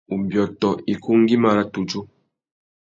Ubiôtô ikú ngüimá râ tudju.